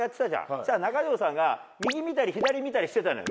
そしたら中条さんが右見たり左見たりしてたのよ。